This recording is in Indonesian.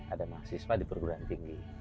ada mahasiswa di perguruan tinggi